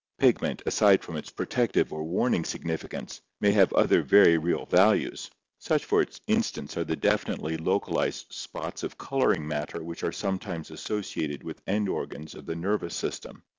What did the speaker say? Pigment, aside from its protective or warning significance, may have other very real values. Such for instance are the definitely localized spots of coloring matter which are sometimes associated with end organs of the nervous system.